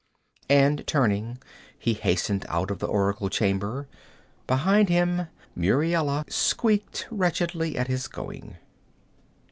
And turning, he hastened out of the oracle chamber; behind him Muriela squeaked wretchedly at his going.